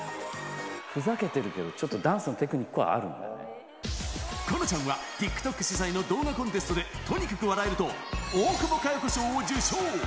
ふざけてるけど、ちょっと、このちゃんは、ＴｉｋＴｏｋ取材の動画コンテストで、とにかく笑えると、大久保佳代子賞を受賞。